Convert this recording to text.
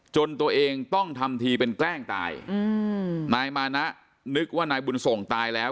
จนตัวเองต้องทำทีเป็นแกล้งตายอืมนายมานะนึกว่านายบุญส่งตายแล้ว